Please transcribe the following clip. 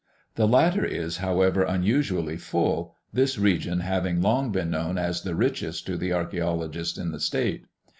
The latter is however unusually full, this region having long been known as the richest to the archae ologist in the state.